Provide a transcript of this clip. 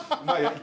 はい？